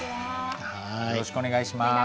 よろしくお願いします。